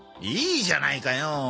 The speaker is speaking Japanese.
いいじゃないかよ